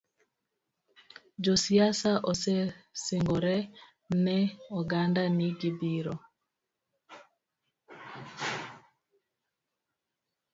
Josiasa osesingore ne oganda ni gibiro